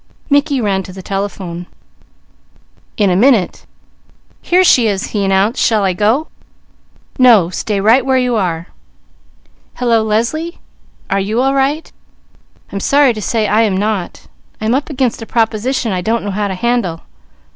Mickey ran to the telephone. In a minute, "Here she is," he announced. "Shall I go?" "No! Stay right where you are." "Hello Leslie! Are you all right? I'm sorry to say I am not. I'm up against a proposition I don't know how to handle.